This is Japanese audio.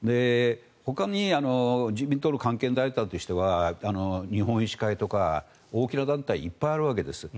ほかに自民党の関係団体としては日本医師会とか大きな団体いっぱいあるわけです。